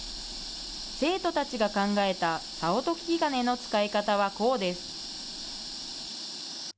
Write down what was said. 生徒たちが考えた些音聞金の使い方はこうです。